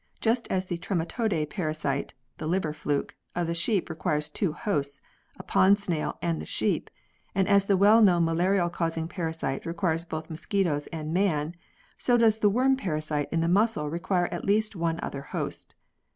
Just as the trematode parasite (the liver fluke) of the sheep requires two hosts, a pond snail and the sheep, and as the well known malaria causing parasite requires both mosquitos and man, so does the worm parasite in the mussel require at least one other host.